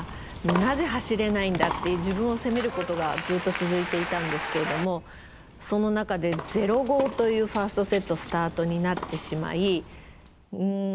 なぜ走れないんだ！」って自分を責めることがずっと続いていたんですけれどもその中で０−５というファーストセットスタートになってしまいうん